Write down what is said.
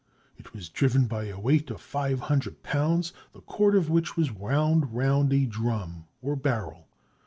It was driven by a weight of five hundred pounds, the cord of which was wound round a drum, or barrel.